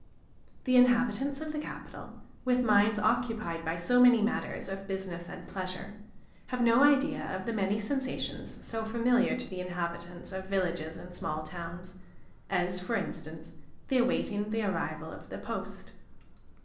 The inhabitants of the capital, with minds occupied by so many matters of business and pleasure, have no idea of the many sensations so familiar to the inhabitants of villages and small towns, as, for instance, the awaiting the arrival of the post.